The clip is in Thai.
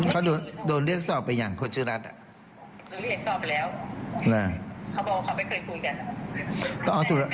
เขาโดนเรียกสอบไปอย่างคนชื่อรัฐ